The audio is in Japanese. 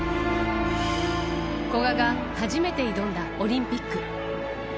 古賀が初めて挑んだオリンピック。